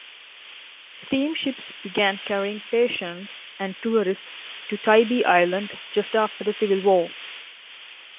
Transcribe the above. Steamships began carrying patients and tourists to Tybee Island just after the Civil War.